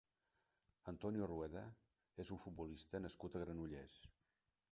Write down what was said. Antonio Rueda és un futbolista nascut a Granollers.